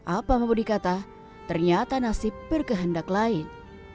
apa mau dikata ternyata nasib berkehendak lain